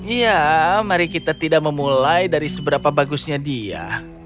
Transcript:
iya mari kita tidak memulai dari seberapa bagusnya dia